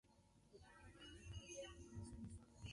Años más tarde Lavoisier lo denominaría "oxígeno".